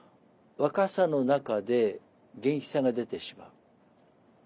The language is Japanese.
若さの中で元気さが出てしまう。